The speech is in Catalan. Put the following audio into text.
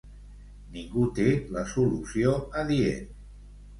Ningú té la solució adient.